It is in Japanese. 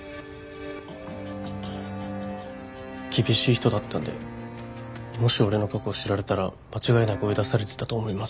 厳しい人だったんでもし俺の過去を知られたら間違いなく追い出されてたと思います。